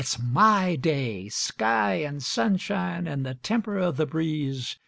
] It's my day, sky an' sunshine, an' the temper o' the breeze.